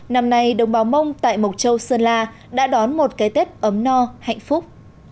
năm nay đồng bào mông tại mộc châu sơn la đã đón một cái tết ấm no hạnh phúc